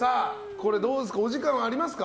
これどうですか？